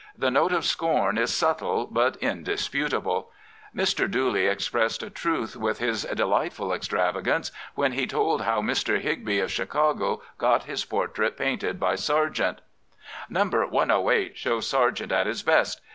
The note of scorn is subtle but indisputable. Mr. Dooley expressed a truth with liis delightful extravagance when he told how Mr. Higbie of Chicago got his portrait painted by Sargent: Number io8 shows Sargent at his best.